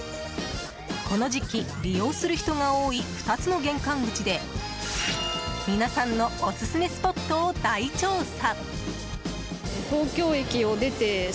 この時期、利用する人が多い２つの玄関口で皆さんのオススメスポットを大調査！